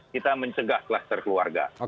kita mencegah kluster keluarga